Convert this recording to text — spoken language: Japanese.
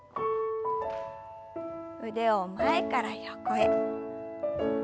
腕を前から横へ。